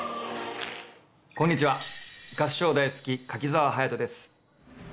こんにちは合唱大好き柿澤勇人です。